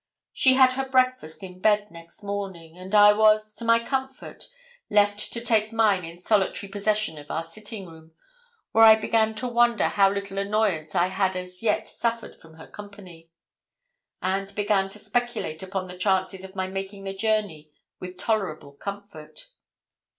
She had her breakfast in bed next morning, and I was, to my comfort, left to take mine in solitary possession of our sitting room; where I began to wonder how little annoyance I had as yet suffered from her company, and began to speculate upon the chances of my making the journey with tolerable comfort.